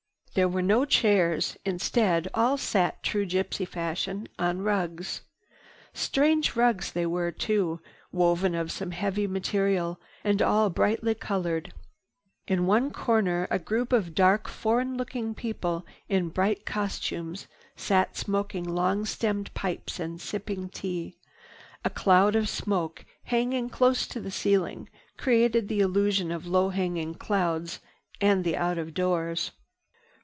There were no chairs. Instead all sat, true gypsy fashion, on rugs. Strange rugs they were too, woven of some heavy material and all brightly colored. In one corner a group of dark foreign looking people in bright costumes sat smoking long stemmed pipes and sipping tea. A cloud of smoke, hanging close to the ceiling, created the illusion of low hanging clouds and the out of doors.